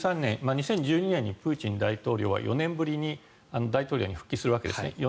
２０１２年にプーチン大統領は４年ぶりに大統領に復帰するわけですね。